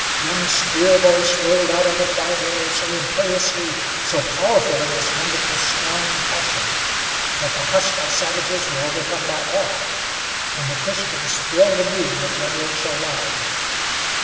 Young's clear voice rolled out on the quiet air so imperiously, so powerful in its wonderful scorn and passion, that the hostile savages were overcome by awe, and the Christians thrilled anew with reverential love.